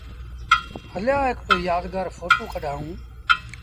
هليآ هڪڙو يآدگآر ڦوٽو ڪڍآئوٚݩ۔